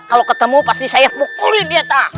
kalau ketemu pasti saya pukulin dia teh